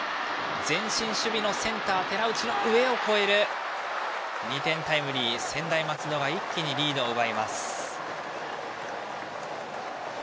前進守備のセンター、寺内の上を越える２点タイムリーで専大松戸が一気にリードを奪います。